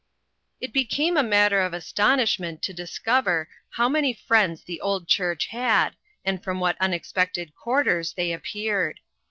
IT became a matter of astonishment to discover how many friends the old church had, and from what unexpected quarters they appeared.